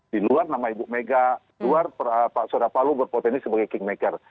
di luar nama ibu megawati di luar pak surapalo berpotensi sebagai kingmaker